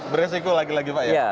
beresiko lagi lagi pak ya